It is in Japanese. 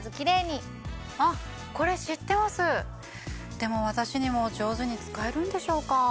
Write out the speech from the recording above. でも私にも上手に使えるんでしょうか？